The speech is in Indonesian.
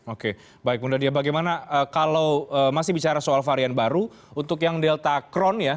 oke baik bunda dia bagaimana kalau masih bicara soal varian baru untuk yang delta cron ya